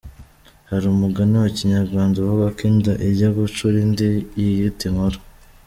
Hari umugani wa Kinyarwanda uvuga ko inda ijya gucura indi yiyita nkuru.